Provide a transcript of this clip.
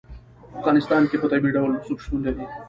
په افغانستان کې په طبیعي ډول رسوب شتون لري.